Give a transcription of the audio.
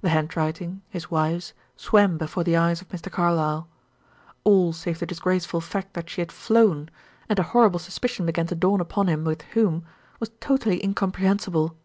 The handwriting, his wife's, swam before the eyes of Mr. Carlyle. All, save the disgraceful fact that she had flown and a horrible suspicion began to dawn upon him, with whom was totally incomprehensible.